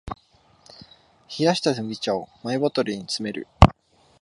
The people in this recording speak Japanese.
冷ました麦茶をマイボトルに詰める